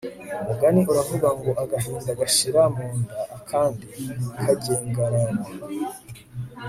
umugani uravuga ngo «agahinda gashira mu nda akandi kagengarara»